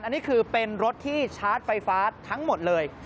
อันนี้คือเป็นรถที่ชาร์จไฟฟ้าทั้งหมดเลย